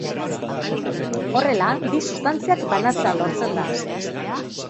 Horrela, bi sustantziak banatzea lortzen da.